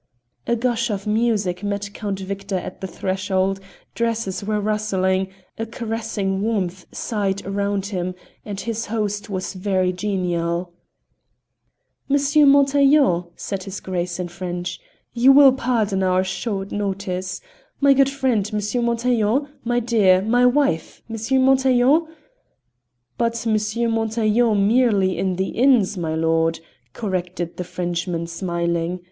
A gush of music met Count Victor at the threshold; dresses were rustling, a caressing warmth sighed round him, and his host was very genial. "M. Montaiglon," said his Grace in French, "you will pardon our short notice; my good friend, M. Montaiglon, my dear; my wife, M. Montaiglon " "But M. Montaiglon merely in the inns, my lord," corrected the Frenchman, smiling.